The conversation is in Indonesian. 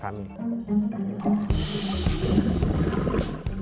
kami berusaha untuk memperbaiki kualitas perusahaan